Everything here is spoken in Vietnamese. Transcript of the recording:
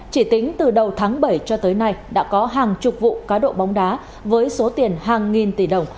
chỉ tính từ đầu tháng bảy cho tới nay đã có hàng chục vụ cá độ bóng đá với số tiền hàng nghìn tỷ đồng